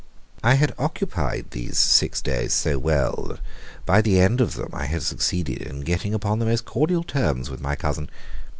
I had occupied these six days so well, that by the end of them I had succeeded in getting upon the most cordial terms with my cousin.